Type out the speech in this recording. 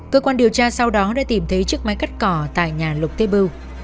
cơ quan điều tra sau đó đã tìm thấy chiếc máy cắt cỏ tại nhà lục tê bưu